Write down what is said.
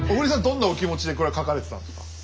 どんなお気持ちでこれは書かれてたんですか？